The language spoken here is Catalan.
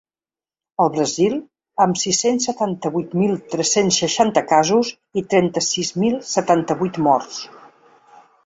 El Brasil, amb sis-cents setanta-vuit mil tres-cents seixanta casos i trenta-sis mil setanta-vuit morts.